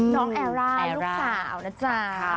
แอร่าลูกสาวนะจ๊ะ